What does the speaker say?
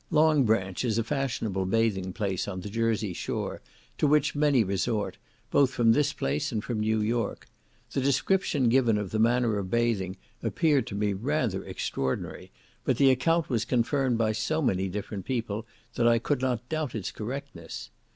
Long Branch is a fashionable bathing place on the Jersey shore, to which many resort, both from this place and from New York; the description given of the manner of bathing appeared to me rather extraordinary, but the account was confirmed by so many different people, that I could not doubt its correctness.